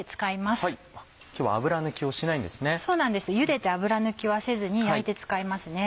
茹でて油抜きはせずに焼いて使いますね。